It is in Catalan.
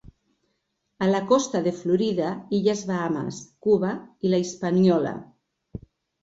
A la costa de Florida, illes Bahames, Cuba i la Hispaniola.